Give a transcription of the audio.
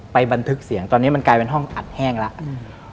บันทึกเสียงตอนนี้มันกลายเป็นห้องอัดแห้งแล้ว